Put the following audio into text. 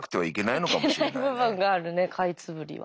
いけない部分があるねカイツブリは。